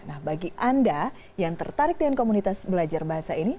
nah bagi anda yang tertarik dengan komunitas belajar bahasa ini